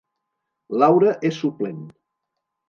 Laura és suplent